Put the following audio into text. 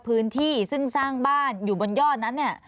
พื้นที่ซึ่งสร้างบ้านอยู่บนยอดนั้นเนี่ย